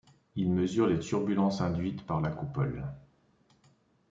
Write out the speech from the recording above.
Il mesure les turbulences induites par la coupole.